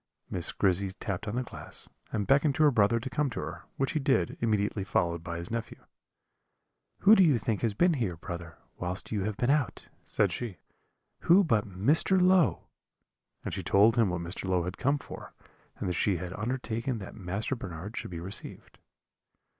Miss Grizzy tapped on the glass, and beckoned to her brother to come to her, which he did, immediately followed by his nephew. "'Who do you think has been here, brother, whilst you have been out?' said she; 'who but Mr. Low?' and she told him what Mr. Low had come for, and that she had undertaken that Master Bernard should be received.